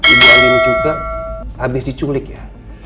ibu ani juga habis diculik ya